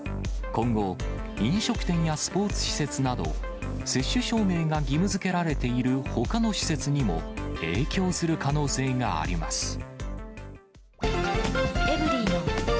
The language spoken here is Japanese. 今後、飲食店やスポーツ施設など、接種証明が義務づけられているほかの施設にも、影響する可能性があります。